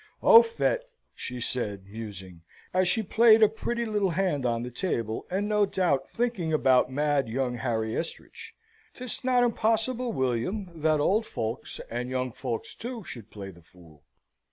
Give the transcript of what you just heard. "Au fait," she said, musing, as she played a pretty little hand on the table, and no doubt thinking about mad young Harry Estridge; 'tis not impossible, William, that old folks, and young folks, too, should play the fool."